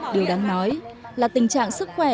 điều đáng nói là tình trạng sức khỏe